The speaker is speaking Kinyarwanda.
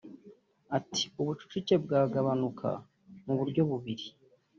Ati “Ubucucike bwagabanuka mu buryo bubiri